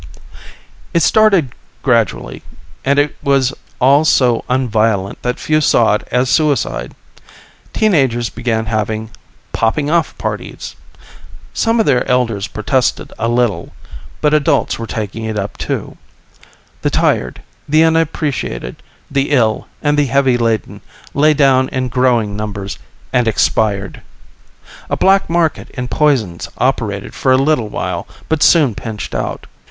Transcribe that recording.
It started gradually, and it was all so un violent that few saw it as suicide. Teen agers began having "Popping off parties". Some of their elders protested a little, but adults were taking it up too. The tired, the unappreciated, the ill and the heavy laden lay down in growing numbers and expired. A black market in poisons operated for a little while, but soon pinched out.